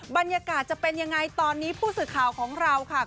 บรรยากาศจะเป็นยังไงตอนนี้ผู้สื่อข่าวของเราค่ะ